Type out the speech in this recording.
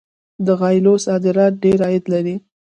د غالیو صادرات ډیر عاید لري.